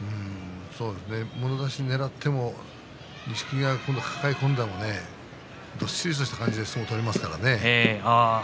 もろ差しをねらっても錦木は抱え込んでどっしりとした感じで相撲を取りますから。